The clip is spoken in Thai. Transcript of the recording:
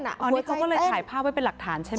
อันนี้เขาก็เลยถ่ายภาพไว้เป็นหลักฐานใช่ไหม